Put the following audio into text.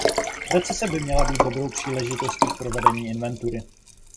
Recese by měla být dobrou příležitostí k provedení inventury.